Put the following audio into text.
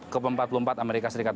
ke empat puluh empat amerika serikat